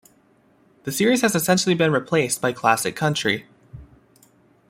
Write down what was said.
The series has essentially been replaced by Classic Country.